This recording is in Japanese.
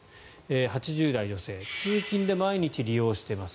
８０代女性通勤で毎日利用しています